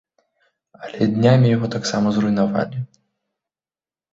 Але днямі яго таксама зруйнавалі.